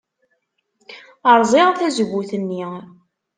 Rẓiɣ tazewwut-nni.